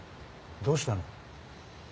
どうしたの。